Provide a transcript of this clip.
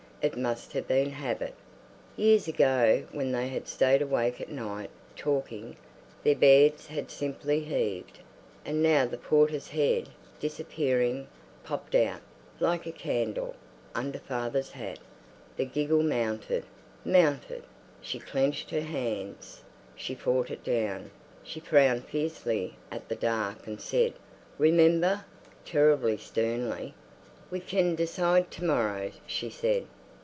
It must have been habit. Years ago, when they had stayed awake at night talking, their beds had simply heaved. And now the porter's head, disappearing, popped out, like a candle, under father's hat.... The giggle mounted, mounted; she clenched her hands; she fought it down; she frowned fiercely at the dark and said "Remember" terribly sternly. "We can decide to morrow," she said.